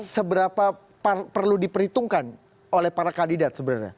seberapa perlu diperhitungkan oleh para kandidat sebenarnya